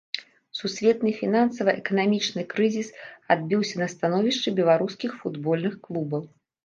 Сусветны фінансава-эканамічны крызіс адбіўся на становішчы беларускіх футбольных клубаў.